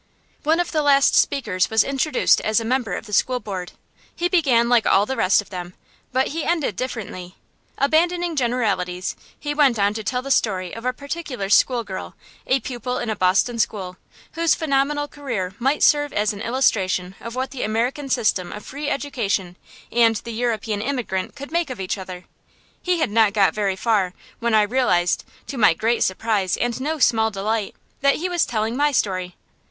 One of the last speakers was introduced as a member of the School Board. He began like all the rest of them, but he ended differently. Abandoning generalities, he went on to tell the story of a particular schoolgirl, a pupil in a Boston school, whose phenomenal career might serve as an illustration of what the American system of free education and the European immigrant could make of each other. He had not got very far when I realized, to my great surprise and no small delight, that he was telling my story.